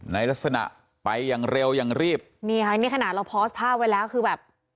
ในลักษณะไปอย่างเร็วอย่างรีบนี่ค่ะนี่ขนาดเราโพสต์ภาพไว้แล้วคือแบบ